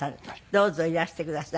どうぞいらしてください。